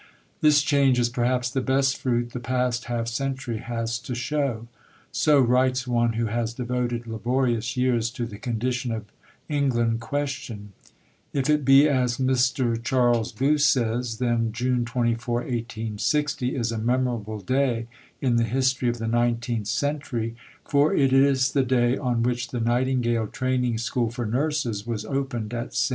This change is perhaps the best fruit the past half century has to show." So writes one who has devoted laborious years to the "Condition of England question." If it be as Mr. Charles Booth says, then June 24, 1860, is a memorable day in the history of the nineteenth century; for it is the day on which the Nightingale Training School for Nurses was opened at St. Thomas's Hospital.